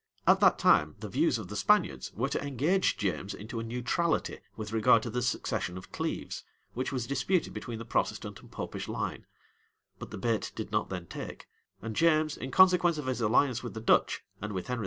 At that time, the views of the Spaniards were to engage James into a neutrality with regard to the succession of Cleves, which was disputed between the Protestant and Popish line;[] but the bait did not then take; and James, in consequence of his alliance with the Dutch, and with Henry IV.